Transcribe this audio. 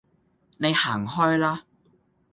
你行開啦